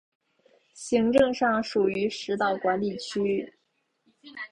行政上属于石岛管理区。